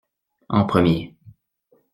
En premier.